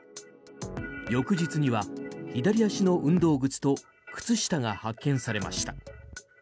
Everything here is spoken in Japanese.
翌日には左足の運動靴と靴下が発見されました。